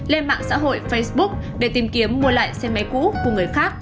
lên mạng xã hội facebook để tìm kiếm mua lại xe máy cũ của người khác